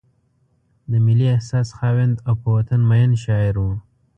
د ملي احساس خاوند او په وطن مین شاعر و.